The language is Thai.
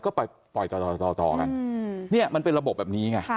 ก็ปล่อยต่อกันเนี่ยมันเป็นระบบแบบนี้ไง